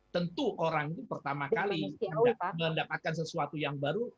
tentu orang itu pertama kali mendapatkan sesuatu yang baru